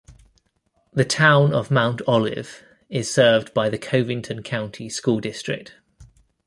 The town of Mount Olive is served by the Covington County School District.